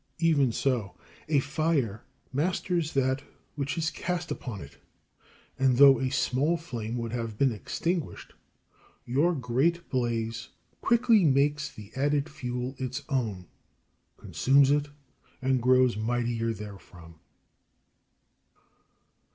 Even so a fire masters that which is cast upon it, and though a small flame would have been extinguished, your great blaze quickly makes the added fuel its own, consumes it, and grows mightier therefrom.